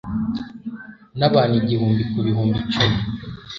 n'abantu igihumbi ku bihumbi cumi